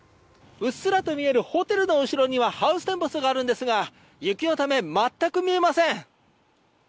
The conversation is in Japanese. うっすらと見えるホテルの後ろにはハウステンボスがあるんですが雪のため、全く見えません。